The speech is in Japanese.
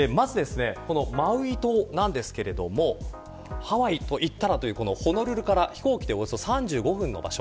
まずマウイ島なんですがハワイと言ったらというホノルルから飛行機でおよそ３５分の場所。